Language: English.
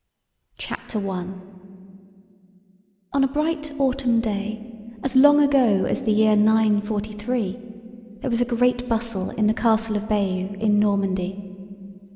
CHAPTER I On a bright autumn day, as long ago as the year 943, there was a great bustle in the Castle of Bayeux in Normandy.